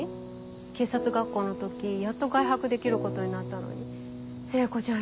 警察学校の時やっと外泊できることになったのに聖子ちゃん